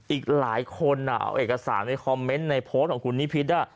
อีกหลายคนเอาเอกสารในคอมเมนต์ในโพสต์ของคุณนิพิษ